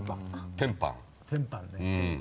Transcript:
テンパン。